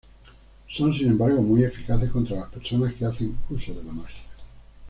Son sin embargo muy eficaces contra las personas que hacen uso de la magia.